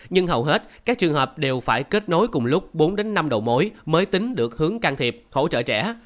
nhưng hầu hết các trường hợp đều phải kết nối cùng lúc bốn năm đầu mối mới tính được hướng can thiệp hỗ trợ trẻ